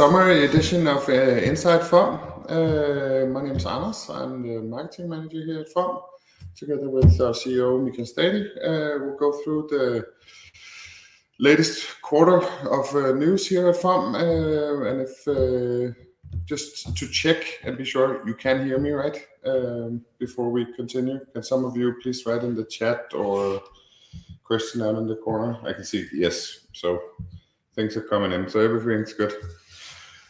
Summer edition of Inside FOM. My name is Anders. I'm the marketing manager here at FOM, together with our CEO, Michael Staal. We'll go through the latest quarter of news here at FOM. And if... Just to check and be sure, you can hear me right before we continue? Can some of you please write in the chat or questionnaire in the corner? I can see, yes, so things are coming in, so everything's good.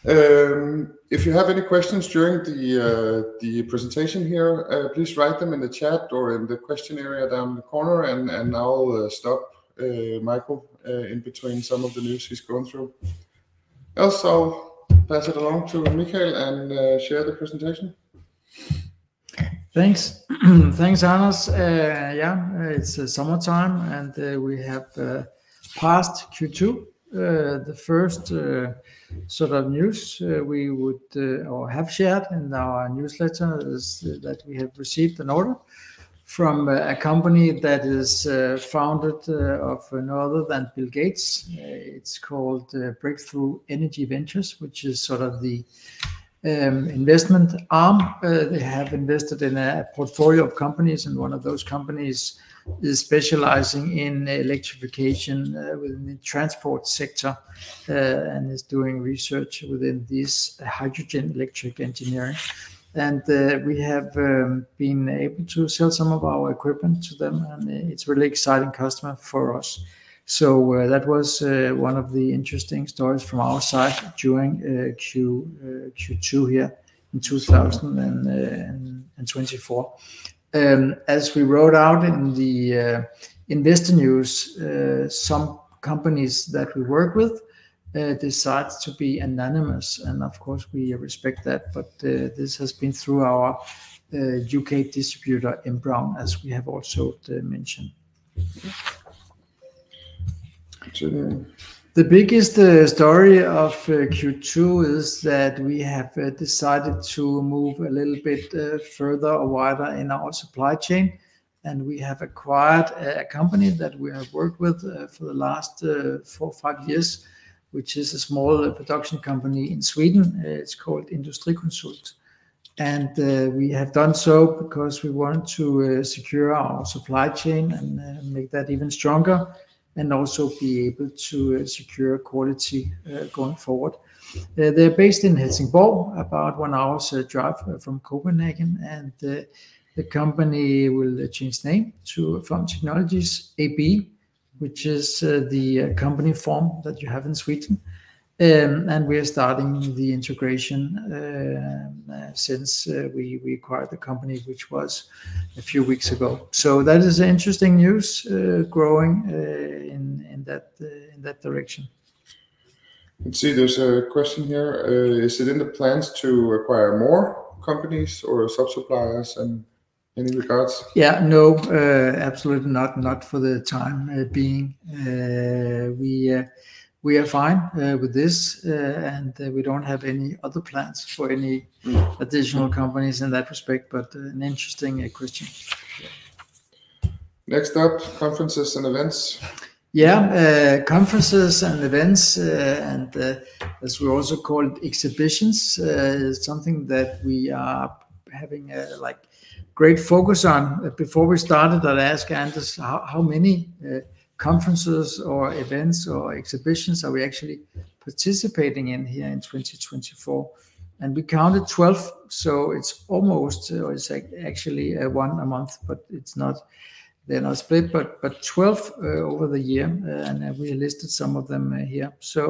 If you have any questions during the presentation here, please write them in the chat or in the question area down in the corner, and I'll stop Michael in between some of the news he's going through. Else, I'll pass it along to Michael and share the presentation. Thanks. Thanks, Anders. Yeah, it's summertime, and we have passed Q2. The first sort of news we would or have shared in our newsletter is that we have received an order from a company that is founded of no other than Bill Gates. It's called Breakthrough Energy Ventures, which is sort of the investment arm. They have invested in a portfolio of companies, and one of those companies is specializing in electrification within the transport sector, and is doing research within this hydrogen electric engineering. And we have been able to sell some of our equipment to them, and it's a really exciting customer for us. So that was one of the interesting stories from our side during Q2 here in 2024. As we wrote out in the investor news, some companies that we work with decide to be anonymous, and of course, we respect that, but this has been through our UK distributor, MBRAUN, as we have also mentioned. So- The biggest story of Q2 is that we have decided to move a little bit further or wider in our supply chain, and we have acquired a company that we have worked with for the last 4-5 years, which is a small production company in Sweden. It's called Industrikonsult. And we have done so because we want to secure our supply chain and make that even stronger, and also be able to secure quality going forward. They're based in Helsingborg, about one hour's drive from Copenhagen, and the company will change name to FOM Technologies AB, which is the company form that you have in Sweden. And we are starting the integration since we acquired the company, which was a few weeks ago. So that is interesting news, growing in that direction. Let's see, there's a question here. "Is it in the plans to acquire more companies or sub-suppliers in any regards? Yeah. No, absolutely not, not for the time being. We are fine with this, and we don't have any other plans for any additional companies in that respect, but an interesting question. Yeah. Next up, conferences and events. Yeah, conferences and events, and, as we also call it, exhibitions, is something that we are having a, like, great focus on. Before we started, I'd ask Anders, "How many conferences or events or exhibitions are we actually participating in here in 2024?" We counted 12, so it's almost, or it's actually, one a month, but it's not... They're not split, but 12 over the year, and we listed some of them here. So,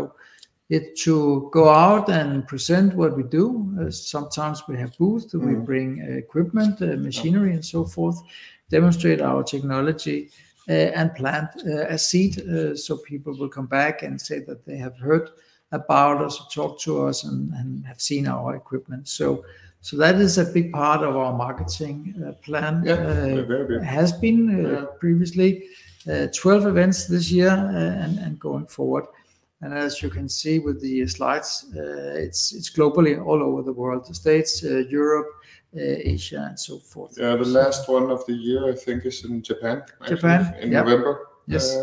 to go out and present what we do, sometimes we have booth- Mm-hmm. We bring equipment, machinery, and so forth, demonstrate our technology, and plant a seed, so people will come back and say that they have heard about us or talked to us and, and have seen our equipment. So, so that is a big part of our marketing plan. Yeah. Very good. Uh, has been- Yeah... previously. 12 events this year, and going forward, and as you can see with the slides, it's globally all over the world, the States, Europe, Asia, and so forth. Yeah, the last one of the year, I think, is in Japan. Japan, yeah. In November. Yes.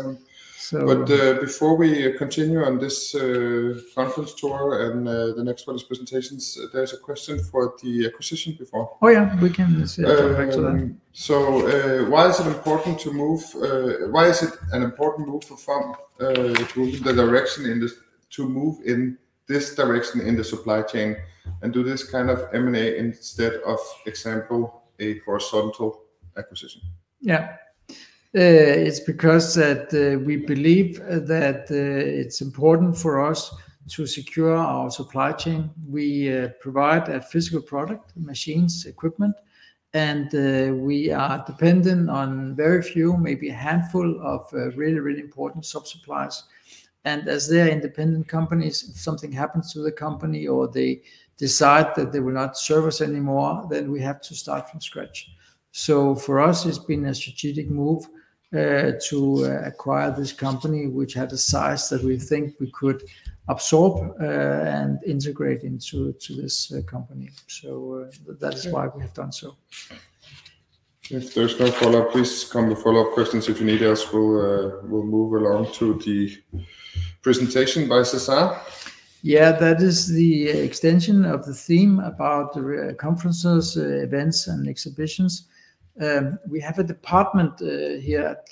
Before we continue on this conference tour, and the next one is presentations, there's a question for the acquisition before. Oh, yeah, we can go back to that. So, why is it an important move for FOM to move in this direction in the supply chain and do this kind of M&A instead of, for example, a horizontal acquisition? Yeah. It's because that we believe that it's important for us to secure our supply chain. We provide a physical product, machines, equipment, and we are dependent on very few, maybe a handful of really, really important sub-suppliers. And as they're independent companies, if something happens to the company or they decide that they will not serve us anymore, then we have to start from scratch. So for us, it's been a strategic move to acquire this company, which had a size that we think we could absorb and integrate into this company. So that is why we have done so.... If there's no follow-up, please come to follow-up questions if you need, else we'll, we'll move along to the presentation by Cesar. Yeah, that is the extension of the theme about the reconferences, events, and exhibitions. We have a department here at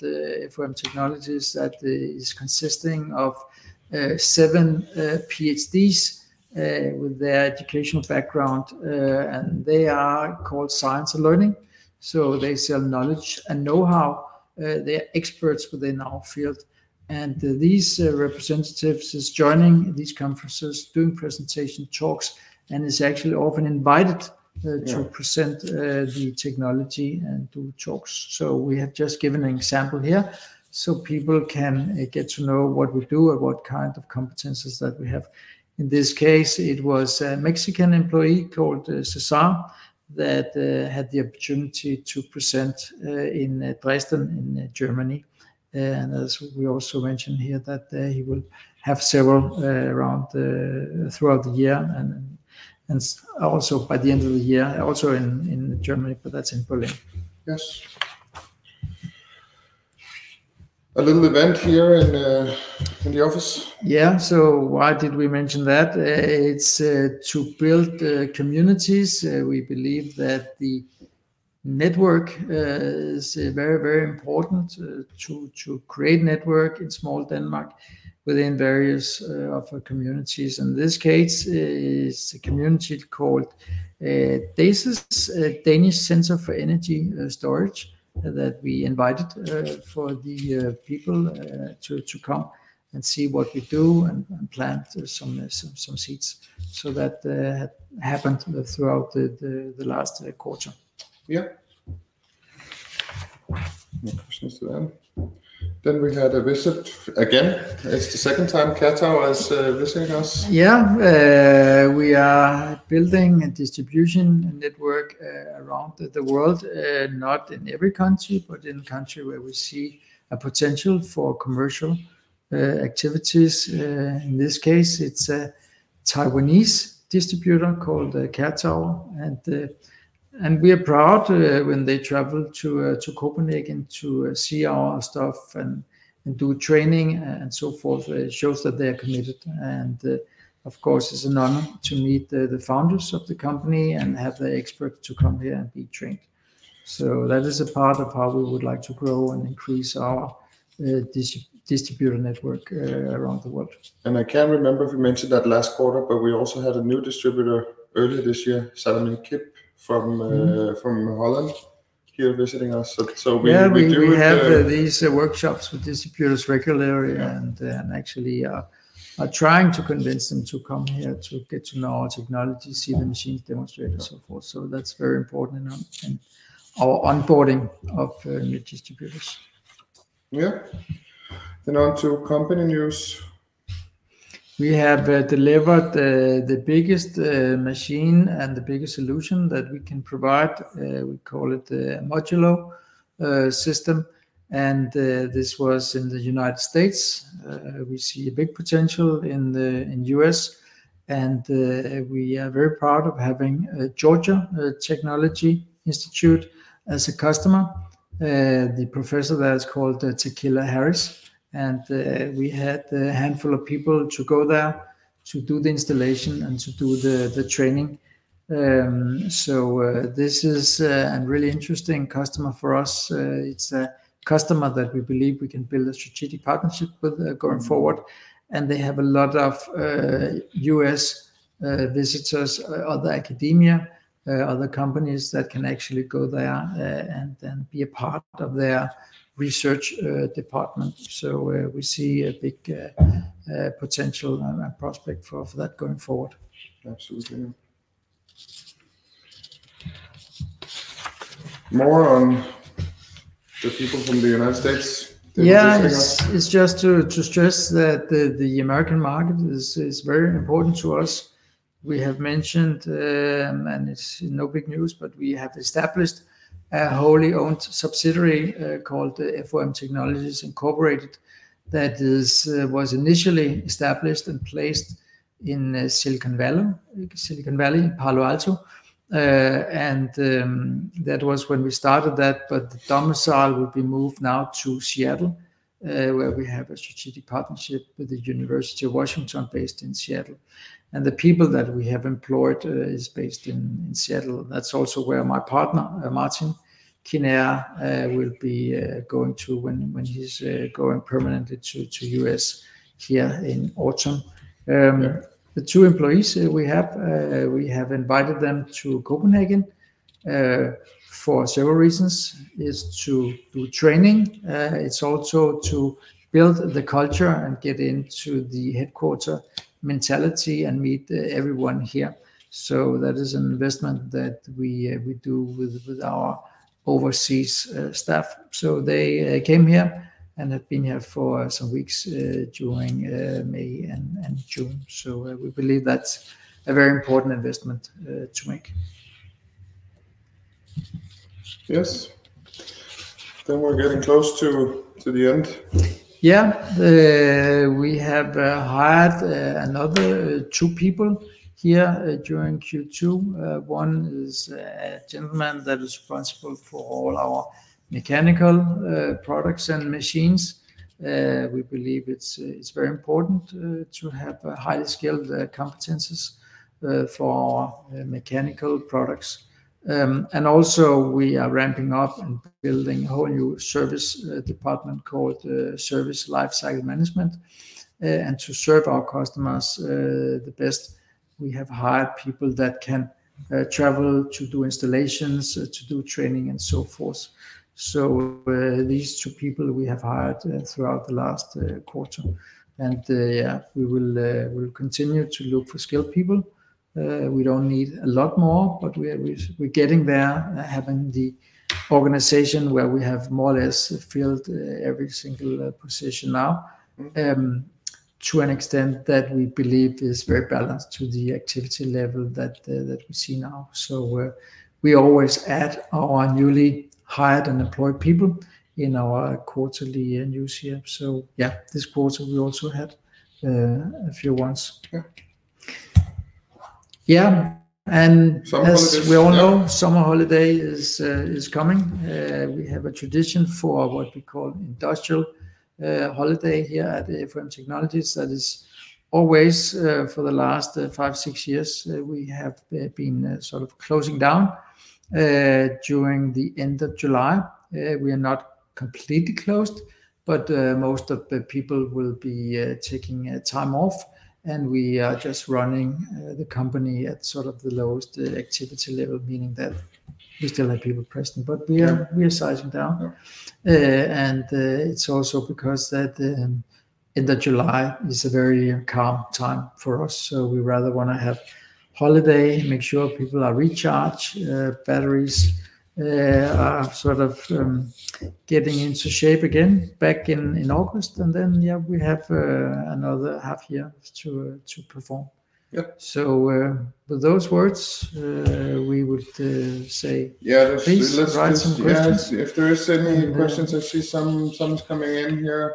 FOM Technologies that is consisting of seven PhDs with their educational background, and they are called Science and Learning. So they sell knowledge and know-how. They're experts within our field, and these representatives is joining these conferences, doing presentation talks, and is actually often invited. Yeah... to present the technology and do talks. So we have just given an example here, so people can get to know what we do and what kind of competencies that we have. In this case, it was a Mexican employee called Cesar that had the opportunity to present in Dresden, in Germany. And as we also mentioned here, that he will have several throughout the year and also by the end of the year, also in Germany, but that's in Berlin. Yes. A little event here in the office. Yeah. So why did we mention that? It's to build communities. We believe that the network is very, very important to create network in small Denmark within various of communities. In this case, it is a community called DCES, Danish Centre for Energy Storage, that we invited for the people to come and see what we do and plant some seeds. So that happened throughout the last quarter. Yeah. No questions to them. Then we had a visit again. It's the second time Katawar is visiting us. Yeah. We are building a distribution network around the world, not in every country, but in country where we see a potential for commercial activities. In this case, it's a Taiwanese distributor called Katawar, and we are proud when they travel to Copenhagen to see our stuff and do training and so forth. It shows that they are committed. And of course, it's an honor to meet the founders of the company and have the experts to come here and be trained. So that is a part of how we would like to grow and increase our distributor network around the world. And I can't remember if we mentioned that last quarter, but we also had a new distributor earlier this year, Salm en Kipp, from Holland, here visiting us. Yeah, we have these workshops with distributors regularly. Yeah... and actually, are trying to convince them to come here to get to know our technology, see the machines demonstrated, and so forth. So that's very important in our onboarding of new distributors. Yeah. Then on to company news. We have delivered the biggest machine and the biggest solution that we can provide, we call it the modular system, and this was in the United States. We see a big potential in the US, and we are very proud of having Georgia Institute of Technology as a customer. The professor there is called Tequila Harris, and we had a handful of people to go there to do the installation and to do the training. So, this is a really interesting customer for us. It's a customer that we believe we can build a strategic partnership with, going forward, and they have a lot of US visitors, other academia, other companies that can actually go there, and then be a part of their research department. So, we see a big potential and prospect for that going forward. Absolutely. More on the people from the United States. Yeah. Visiting us. It's just to stress that the American market is very important to us. We have mentioned, and it's no big news, but we have established a wholly owned subsidiary called the FOM Technologies Incorporated. That was initially established and placed in Silicon Valley, Palo Alto. And that was when we started that, but the domicile will be moved now to Seattle, where we have a strategic partnership with the University of Washington, based in Seattle. And the people that we have employed is based in Seattle. That's also where my partner, Martin Kiener, will be going to when he's going permanently to the U.S. here in autumn. Yeah... the two employees we have invited them to Copenhagen for several reasons, is to do training. It's also to build the culture and get into the headquarter mentality and meet everyone here. So that is an investment that we do with our overseas staff. So they came here and have been here for some weeks during May and June. So we believe that's a very important investment to make. Yes?... Then we're getting close to the end. Yeah. We have hired another two people here during Q2. One is a gentleman that is responsible for all our mechanical products and machines. We believe it's very important to have a highly skilled competencies for mechanical products. And also we are ramping up and building a whole new service department called Service Lifecycle Management. And to serve our customers the best, we have hired people that can travel to do installations, to do training, and so forth. So, these two people we have hired throughout the last quarter, and yeah, we'll continue to look for skilled people. We don't need a lot more, but we are, we're getting there, having the organization where we have more or less filled every single position now. To an extent that we believe is very balanced to the activity level that we see now. So we always add our newly hired and employed people in our quarterly news here. So yeah, this quarter we also had a few ones. Yeah. Yeah, and- Summer holidays. As we all know, summer holiday is coming. We have a tradition for what we call industrial holiday here at FOM Technologies. That is always, for the last 5-6 years, we have been sort of closing down during the end of July. We are not completely closed, but most of the people will be taking time off, and we are just running the company at sort of the lowest activity level, meaning that we still have people present, but we are- Yeah... we are sizing down. Yeah. And it's also because that end of July is a very calm time for us, so we rather wanna have holiday, make sure people are recharged batteries are sort of getting into shape again back in August. And then, yeah, we have another half year to perform. Yeah. With those words, we would say- Yeah, let's- Please write some questions. Yeah, if there is any questions, I see some is coming in here.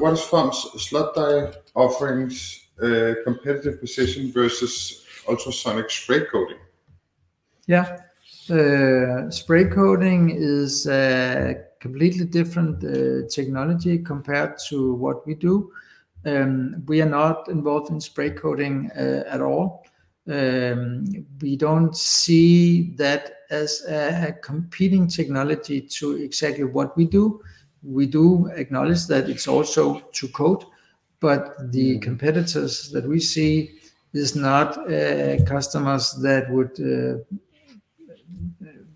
What is FOM's slot-die offerings' competitive position versus ultrasonic spray coating? Yeah. Spray coating is a completely different technology compared to what we do. We are not involved in spray coating at all. We don't see that as a competing technology to exactly what we do. We do acknowledge that it's also to coat, but the competitors that we see is not customers that would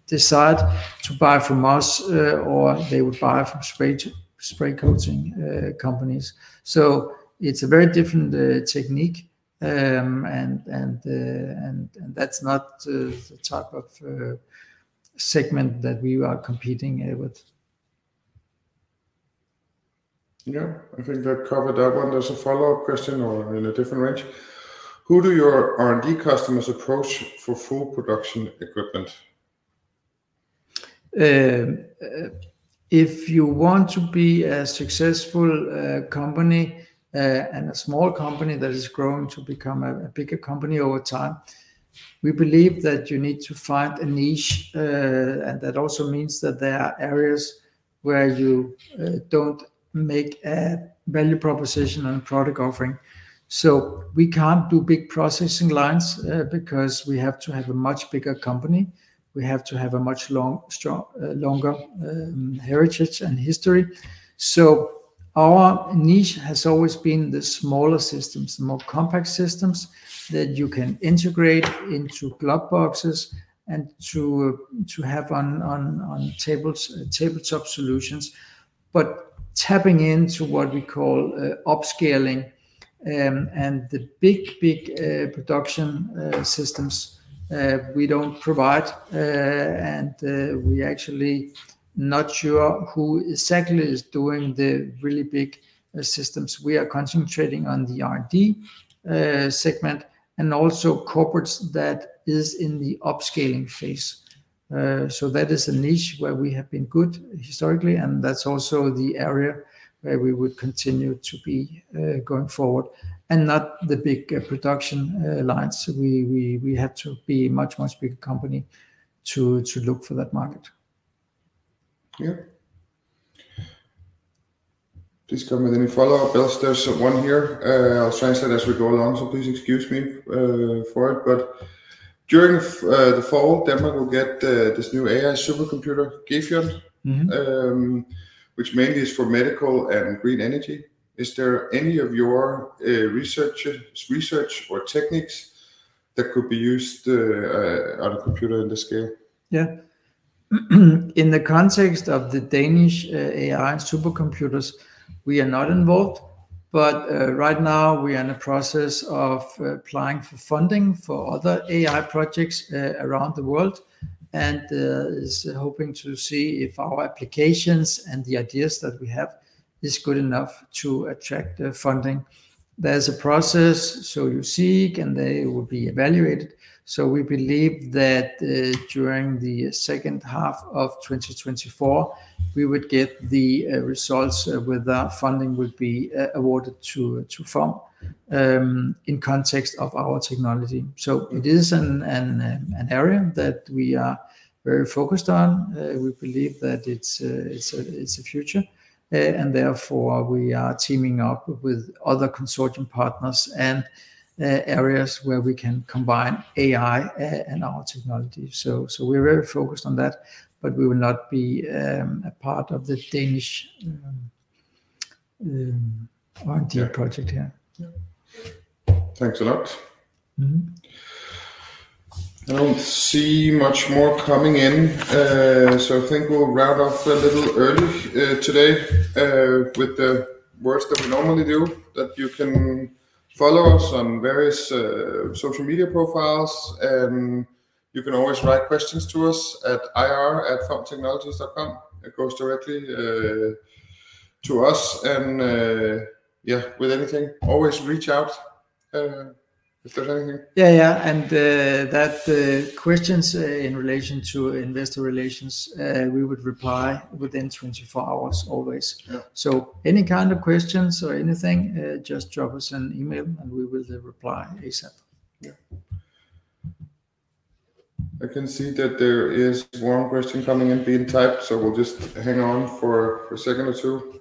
decide to buy from us or they would buy from spray coating companies. So it's a very different technique. And that's not the type of segment that we are competing with. Yeah, I think that covered that one. There's a follow-up question or in a different range: Who do your R&D customers approach for full production equipment? If you want to be a successful company, and a small company that is growing to become a bigger company over time, we believe that you need to find a niche. That also means that there are areas where you don't make a value proposition on a product offering. So we can't do big processing lines, because we have to have a much bigger company. We have to have a much longer, stronger heritage and history. So our niche has always been the smaller systems, the more compact systems that you can integrate into glove boxes and to have on tables, tabletop solutions. But tapping into what we call upscaling, and the big, big production systems we don't provide, and we actually not sure who exactly is doing the really big systems. We are concentrating on the R&D segment and also corporates that is in the upscaling phase. So that is a niche where we have been good historically, and that's also the area where we would continue to be going forward, and not the big production lines. We had to be much, much bigger company to look for that market. Yeah. Please come with any follow-up else. There's one here. I'll translate as we go along, so please excuse me for it, but during the fall, Denmark will get this new AI supercomputer, Gefion. Mm-hmm. Which mainly is for medical and green energy. Is there any of your research or techniques that could be used on a computer in this scale? Yeah. In the context of the Danish AI supercomputers, we are not involved, but right now, we are in the process of applying for funding for other AI projects around the world and is hoping to see if our applications and the ideas that we have is good enough to attract the funding. There's a process, so you seek, and they will be evaluated. So we believe that during the H2 of 2024, we would get the results whether funding would be awarded to FOM in context of our technology. So it is an area that we are very focused on. We believe that it's the future and therefore, we are teaming up with other consortium partners and areas where we can combine AI and our technology. So, we're very focused on that, but we will not be a part of the Danish R&D project here. Yeah. Thanks a lot. Mm-hmm. I don't see much more coming in, so I think we'll round off a little early today with the words that we normally do, that you can follow us on various social media profiles, and you can always write questions to us at ir@fomtechnologies.com. It goes directly to us, and yeah, with anything, always reach out if there's anything. Yeah, yeah, and questions in relation to investor relations, we would reply within 24 hours always. Yeah. Any kind of questions or anything, just drop us an email, and we will reply ASAP. Yeah. I can see that there is one question coming in, being typed, so we'll just hang on for a second or two.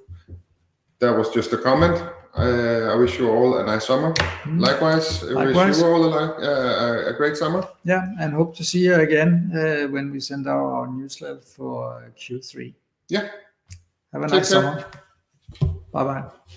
That was just a comment. "I wish you all a nice summer. Mm-hmm. Likewise. Likewise. We wish you all a great summer. Yeah, and hope to see you again when we send out our newsletter for Q3. Yeah. Have a nice summer. Take care. Bye-bye.